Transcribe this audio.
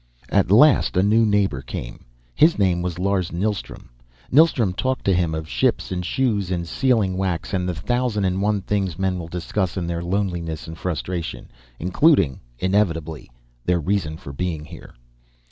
At last a new neighbor came. His name was Lars Neilstrom. Neilstrom talked to him of ships and shoes and sealing wax and the thousand and one things men will discuss in their loneliness and frustration, including inevitably their reasons for being here.